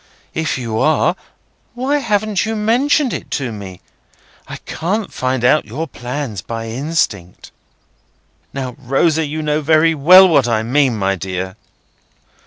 If you are, why haven't you mentioned it to me? I can't find out your plans by instinct." "Now, Rosa, you know very well what I mean, my dear."